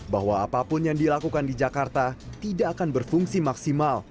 bahwa apapun yang dilakukan di jakarta tidak akan berfungsi maksimal